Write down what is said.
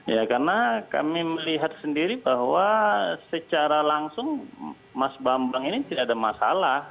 ya karena kami melihat sendiri bahwa secara langsung mas bambang ini tidak ada masalah